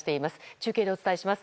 中継でお伝えします。